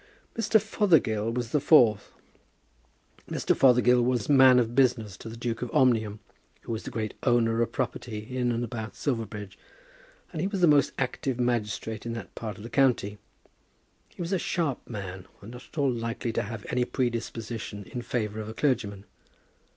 Mr. Fothergill was the fourth. Mr. Fothergill was man of business to the Duke of Omnium, who was the great owner of property in and about Silverbridge, and he was the most active magistrate in that part of the county. He was a sharp man, and not at all likely to have any predisposition in favour of a clergyman.